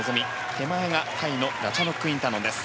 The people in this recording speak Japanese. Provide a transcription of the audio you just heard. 手前がタイのラチャノック・インタノンです。